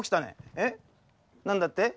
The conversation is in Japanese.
えっなんだって？